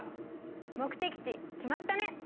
目的地決まったね！